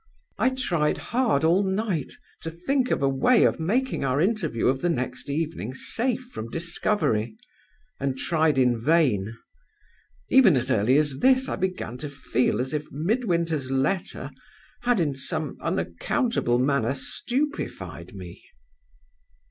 "I tried hard all night to think of a way of making our interview of the next evening safe from discovery, and tried in vain. Even as early as this, I began to feel as if Midwinter's letter had, in some unaccountable manner, stupefied me.